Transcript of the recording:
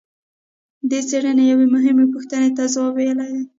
دې څېړنې یوې مهمې پوښتنې ته ځواب ویلی دی.